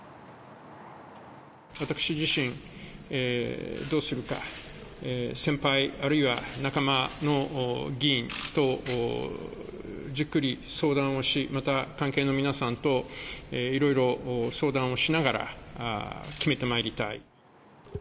私自身どうするか、先輩あるいは仲間の議員とじっくり相談をし、また関係の皆さんと、いろいろ相談をしながら決めてまいりたい。